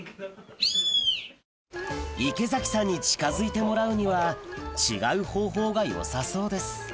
池崎さんに近づいてもらうには違う方法がよさそうです